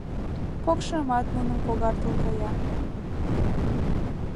Покшымат нуным когартыл кая.